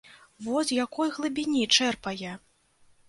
Во з якой глыбіні чэрпае!